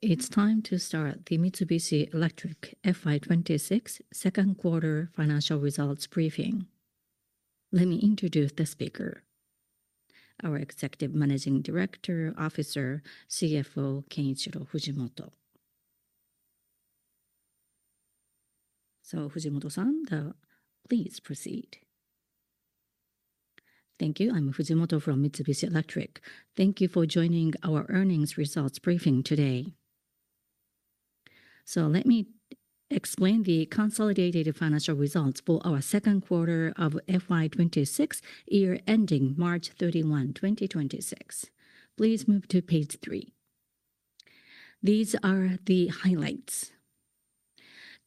It's time to start the Mitsubishi Electric FY26 second quarter financial results briefing. Let me introduce the speaker, our Executive Managing Director and Chief Financial Officer Kenichiro Fujimoto. So, Fujimoto-san. Please proceed. Thank you. I'm Fujimoto from Mitsubishi Electric. Thank you for joining our earnings results briefing today. Let me explain the consolidated financial results for our second quarter of FY26 year ending March 31, 2026. Please move to page three. These are the highlights.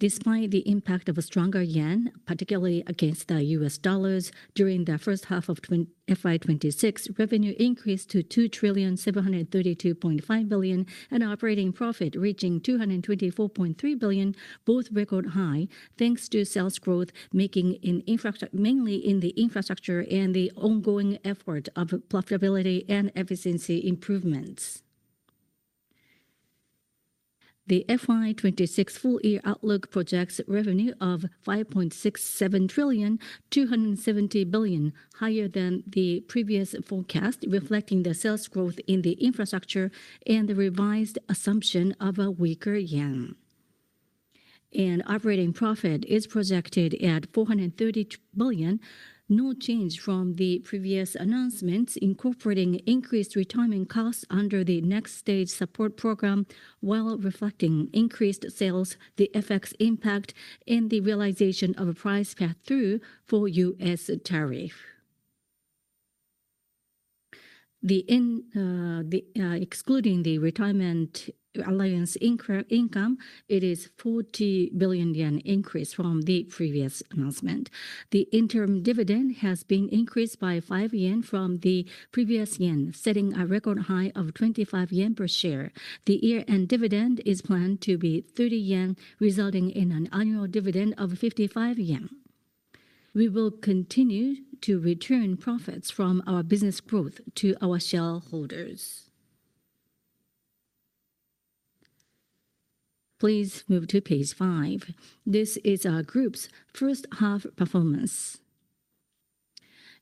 Despite the impact of a stronger Yen particularly against the U.S. dollars during the first half of FY26, revenue increased to 2,732.5 billion and operating profit reaching 224.33 billion, both record high thanks to sales growth mainly in the infrastructure and the ongoing effort of profitability and efficiency improvements. The FY26 full year outlook projects revenue of 5.67 trillion, 270 billion higher than the previous forecast, reflecting the sales growth in the infrastructure and the revised assumption of a weaker Yen. Operating profit is projected at 430 billion. No change from the previous announcements incorporating increased retirement costs under the Next Stage Support Program while reflecting increased sales, the FX impact and the realization of a price pass-through for U.S. tariff. Excluding the retirement allowance income, it is a 40 billion yen increase from the previous announcement. The interim dividend has been increased by 5 yen from the previous year, setting a record high of 25 yen per share. The year-end dividend is planned to be 30 yen, resulting in an annual dividend of 55 yen. We will continue to return profits from our business growth to our shareholders. Please move to page five. This is our group's first half performance.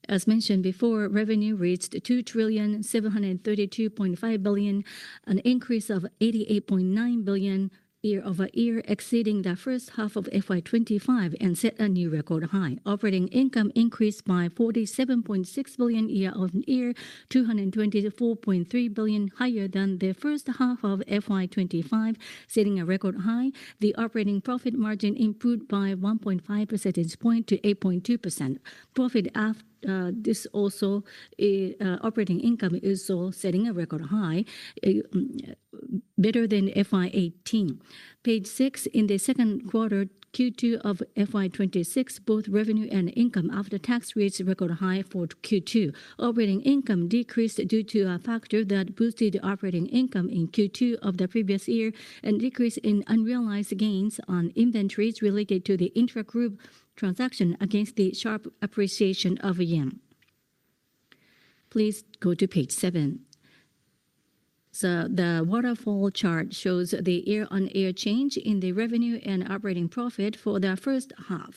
As mentioned before, revenue reached 2,732.5 billion, an increase of 88.9 billion year over year exceeding the first half of FY25 and set a new record high. Operating income increased by 47.6 billion year-on-year, 224.3 billion higher than FY25, setting a record high. The operating profit margin improved by 1.5 percentage point to 8.2% profit after this. Also, operating income is setting a record high. Better than FY18. Page six, in the second quarter Q2 of FY26, both revenue and income after tax rates record high for Q2. Operating income decreased due to a factor that boosted operating income in Q2 of the previous year and decrease in unrealized gains on inventories related to the intragroup transaction against the sharp appreciation of Yen. Please go to page seven. The waterfall chart shows the year-on-year change in the revenue and operating profit for the first half.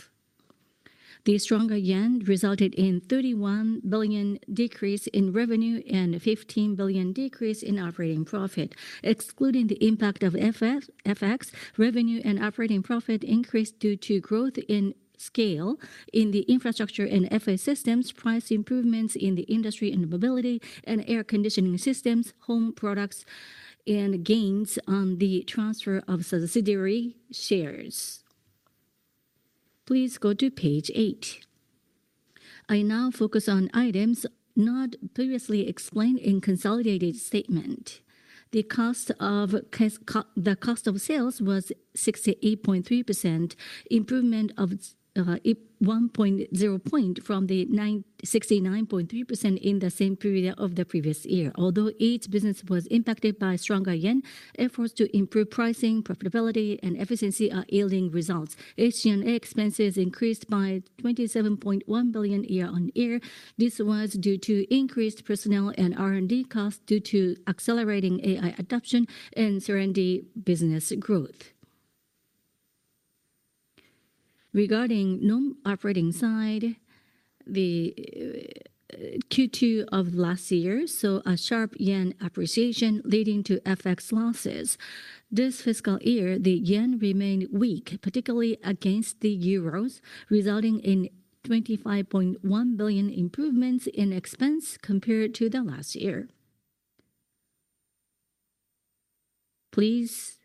The stronger Yen resulted in 31 billion decrease in revenue and 15 billion decrease in operating profit. Excluding the impact of FX, revenue and operating profit increased due to growth in scale in the infrastructure and FA systems, price improvements in the industry and Mobility and air conditioning systems, home products and gains on the transfer of subsidiary shares. Please go to page eight. I now focus on items not previously explained in consolidated statement. The cost of sales was 68.3% improvement of 1.0 point from the 69.3% in the same period of the previous year. Although each business was impacted by stronger Yen, efforts to improve pricing, profitability and efficiency are yielding results. SG&A expenses increased by 27.1 billion year-on-year. This was due to increased personnel and R&D costs due to accelerating AI adoption and Serendipity Business Growth. Regarding non-operating side, the Q2 of last year saw a sharp Yen appreciation leading to FX losses. This fiscal year, the Yen remained weak, particularly against the Euros, resulting in 25.1 billion improvements in expense compared to the last year. Please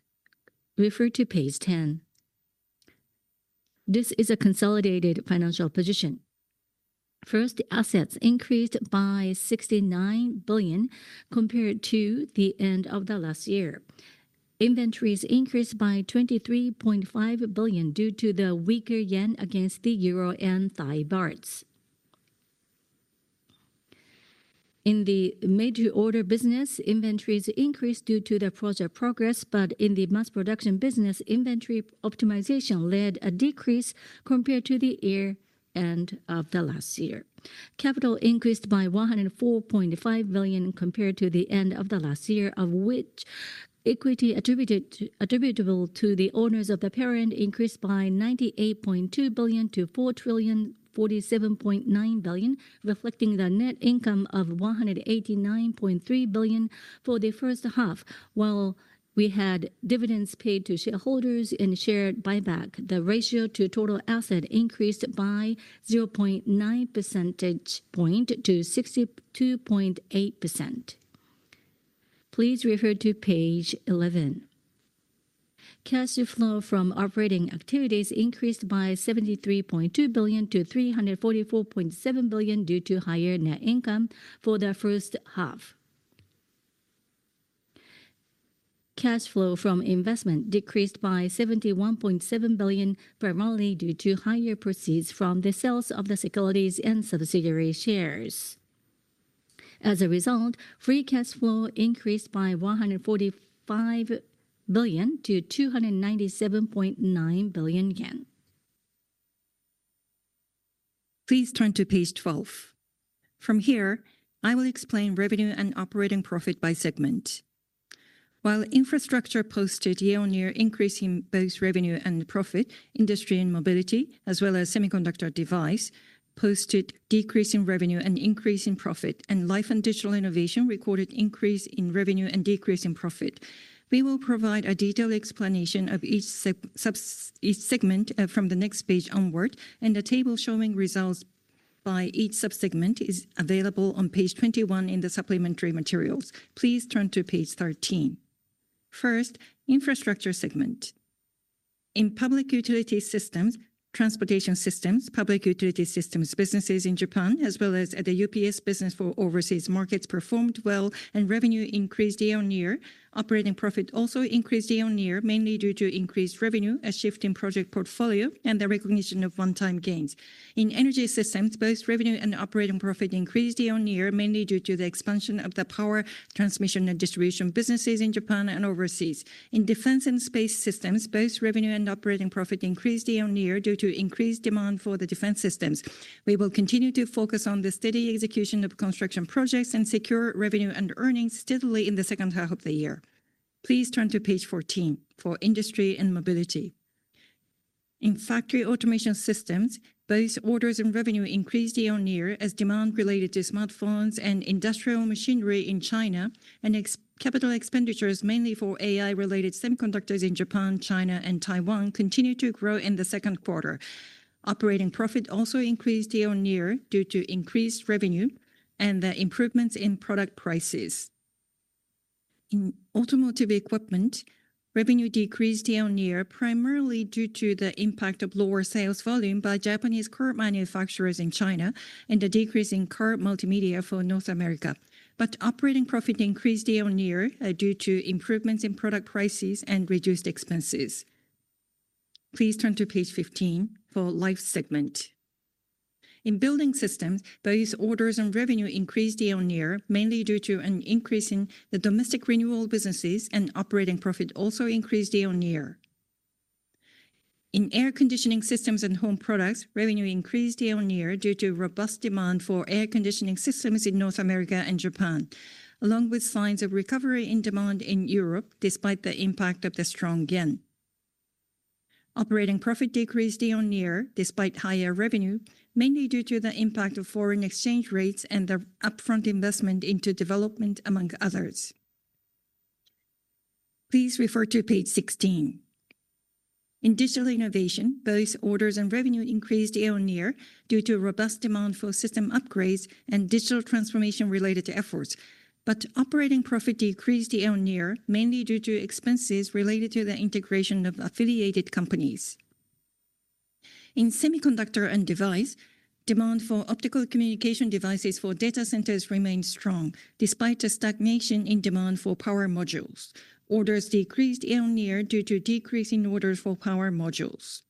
refer to page 10. This is a consolidated financial position. First, assets increased by 69 billion compared to the end of the last year. Inventories increased by 23.5 billion due to the weaker Yen against the euro and Thai Bahts. In the major order business, inventories increased due to the project progress, but in the mass production business, inventory optimization led to a decrease compared to the year-end of the last year. Capital increased by ¥104.5 million compared to the end of the last year, of which equity attributable to the owners of the parent increased by ¥98.2 billion to ¥4,047.9 billion, reflecting the net income of ¥189.3 billion for the first half. While we had dividends paid to shareholders and share buyback, the ratio to total assets increased by 0.9 percentage point to 62.8%. Please refer to page 11. Cash flow from operating activities increased by 73.2 billion Yen to 344.7 billion Yen to higher net income for the first half. Cash flow from investment decreased by 71.7 billion, primarily due to higher proceeds from the sales of the securities and subsidiary shares. As a result, free cash flow increased by 145 billion to 297.9 billion Yen. Please turn to page 12. From here I will explain revenue and operating profit by segment. While infrastructure posted year-on-year increase in both revenue and profit, industry and Mobility as well as semiconductor devices posted decrease in revenue and increase in profit and life and Digital Innovation recorded increase in revenue and decrease in profit. We will provide a detailed explanation of each segment from the next page onward and a table showing results by each sub-segment is available on page 21 in the supplementary materials. Please turn to page 13, First infrastructure segment in public utility systems, transportation systems. Public utility systems businesses in Japan as well as the UPS business for overseas markets performed well and revenue increased year-on-year. Operating profit also increased year-on-year mainly due to increased revenue, a shift in project portfolio and the recognition of one-time gains in energy systems. Both revenue and operating profit increased year-on-year mainly due to the expansion of the power transmission and distribution businesses in Japan and overseas. In defense and space systems, both revenue and operating profit increased year-on-year due to increased demand for the defense systems. We will continue to focus on the steady execution of construction projects and secure revenue and earnings steadily in the second half of the year. Please turn to page 14. For industry and Mobility in Factory Automation systems, both orders and revenue increased year-on-year as demand related to smartphones and industrial machinery in China and capital expenditures mainly for AI-related semiconductors in Japan, China and Taiwan continue to grow in the second quarter. Operating profit also increased year-on-year due to increased revenue and the improvements in product prices. In automotive equipment, revenue decreased year-on-year primarily due to the impact of lower sales volume by Japanese car manufacturers in China and a decrease in car multimedia for North America. But operating profit increased year-on-year due to improvements in product prices and reduced expenses. Please turn to page 15. For the Life segment in building systems, both orders and revenue increased year-on-year mainly due to an increase in the domestic renewal businesses and operating profit also increased year-on-year. In air conditioning systems and home products. Revenue increased year-on-year due to robust demand for air conditioning systems in North America and Japan along with signs of recovery in demand in Europe despite the impact of the strong Yen. Operating profit decreased year-on-year despite higher revenue mainly due to the impact of foreign exchange rates and the upfront investment into development among others. Please refer to page 16. In Digital Innovation, both orders and revenue increased year-on-year due to robust demand for system upgrades and digital transformation related efforts, but operating profit decreased year-on-year mainly due to expenses related to the integration of affiliated companies. In Semiconductors & Devices. Demand for optical communication devices for data centers remains strong despite a stagnation in demand for power modules. Orders decreased year-on-year due to decreasing orders for power modules.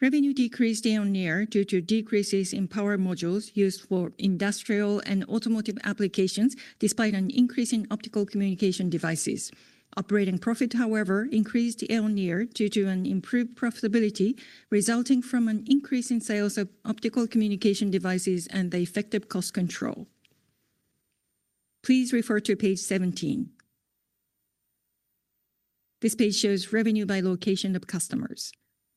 Revenue decreased year-on-year due to decreases in power modules used for industrial and automotive applications despite an increase in optical communication devices. Operating profit, however, increased year-on-year due to an improved profitability resulting from an increase in sales of optical communication devices and the effective cost control. Please refer to page 17. This page shows revenue by location of customers.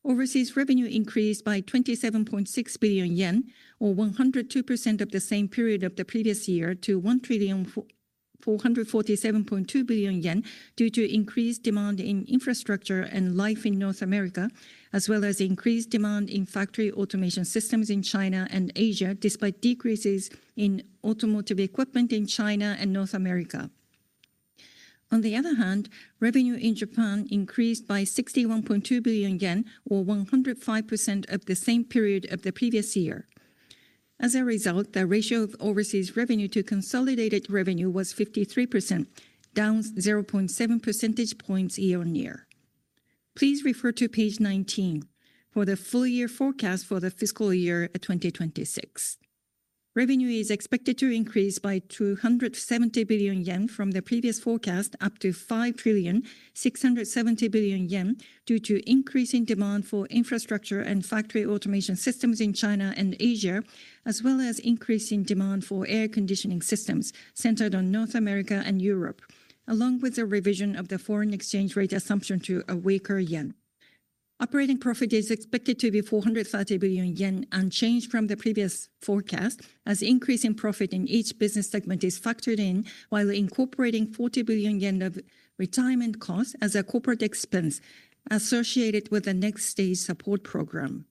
Overseas revenue increased by 27.6 billion yen, or 102% of the same period of the previous year to 1,447.2 billion yen due to increased demand in infrastructure and Life in North America as well as increased demand in Factory Automation systems in China and Asia despite decreases in automotive equipment in China and North America. On the other hand, revenue in Japan increased by 61.2 billion yen, or 105% of the same period of the previous year. As a result, the ratio of overseas revenue to consolidated revenue was 53%, down 0.7 percentage points year-on-year. Please refer to page 19 for the full year forecast for the fiscal year 2026. Revenue is expected to increase by 270 billion yen from the previous forecast, up to 5,670 billion yen due to increasing demand for infrastructure and Factory Automation systems in China and Asia as well as increasing demand for air conditioning systems centered on North America and Europe, along with a revision of the foreign exchange rate assumption to a weaker Yen. Operating profit is expected to be 430 billion yen, unchanged from the previous forecast as increasing profit in each business segment is factored in while incorporating 40 billion yen of retirement costs as a corporate expense associated with the Next Stage Support Program.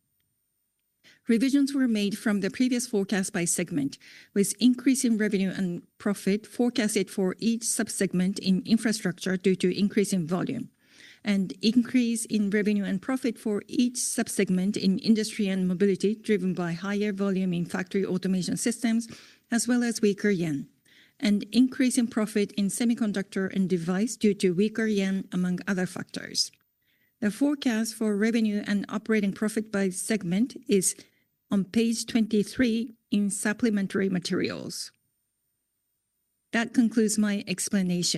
Revisions were made from the previous forecast by segment, with increasing revenue and profit forecasted for each subsegment in Infrastructure due to increasing volume, and increase in revenue and profit for each sub-segment in Industry and Mobility driven by higher volume in Factory Automation systems as well as weaker Yen, and increase in profit in Semiconductors & Devices due to weaker Yen, among other factors. The forecast for revenue and operating profit by segment is on page 23 in Supplementary Materials. That concludes my explanation.